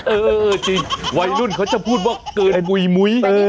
เออจริงวัยรุ่นเขาจะพูดว่าเกินบุ๋ยมุ้ย